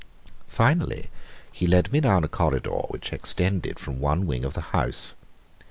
Finally he led me down a corridor which extended from one wing of the house.